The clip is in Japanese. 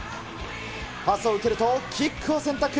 パスを受けると、キックを選択。